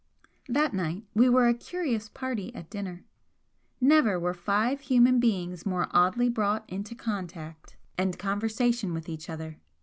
That night we were a curious party at dinner. Never were five human beings more oddly brought into contact and conversation with each other.